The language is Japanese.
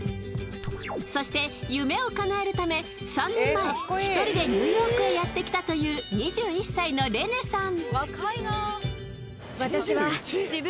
そして夢をかなえるため３年前、１人でニューヨークへやってきたという２１歳のレネさん。